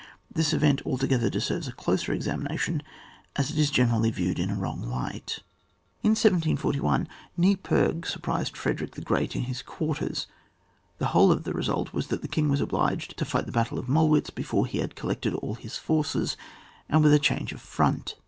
This event altogether deserves a closer examination, as it is generally viewed in a wrong light. In 1741, Neipperg surprised Frederick the Great in his quarters ; the whole of the result was that the king was obliged to fight the battle of Mollwitz before he had collected all his forces, and with a change of front.